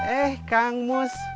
eh kang mus